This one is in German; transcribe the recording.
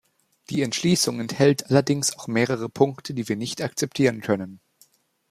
Die Entschließung enthält allerdings auch mehrere Punkte, die wir nicht akzeptieren können.